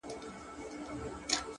• چي انسان هم آموخته په غلامۍ سي ,